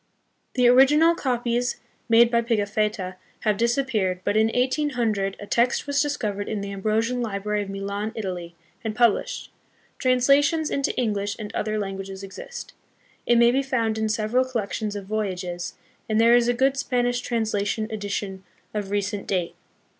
The original copies made by Pigafetta have disappeared, but in 1800 a text was discovered in the Ambrosian Library of Milan, Italy, and published. Translations into English and other languages exist. It may be found in several collections of Voyages, and there is a good Spanish translation and edition of recent date.